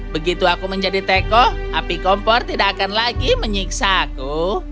begitu aku menjadi teko api kompor tidak akan lagi menyiksaku